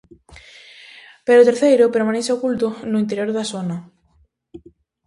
Pero o terceiro permanece oculto no interior da Zona.